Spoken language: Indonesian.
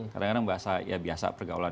kadang kadang bahasa ya biasa pergaulan